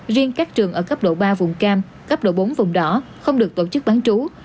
riêng các trường ở cấp độ ba vùng cam cấp độ bốn vùng đỏ không được tổ chức bán trú